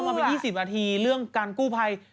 เล่ามาไป๒๐ปีเรื่องการกู้ภัย